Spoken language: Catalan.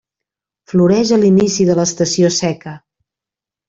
Floreix a l'inici de l'estació seca.